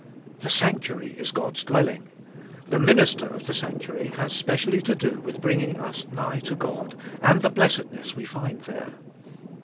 The sanctuary is God's dwelling ; the Minister of the sanctuary has specially to do with bringing us nigh to God, and the blessedness we find there.